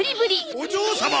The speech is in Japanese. お嬢様！